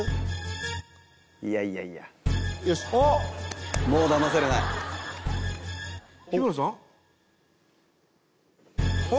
いやいやいやよしもうだまされない日村さん？